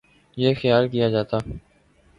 یہ خیال کیا جاتا